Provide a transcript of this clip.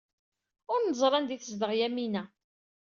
Ur neẓri anda ay tezdeɣ Yamina.